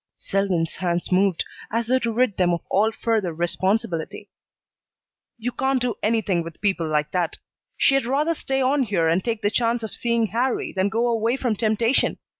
Selwyn's hands moved as though to rid them of all further responsibility. "You can't do anything with people like that. She'd rather stay on here and take the chance of seeing Harrie than go away from temptation.